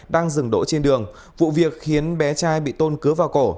đang dừng đỗ trên đường vụ việc khiến bé trai bị tôn cứ vào cổ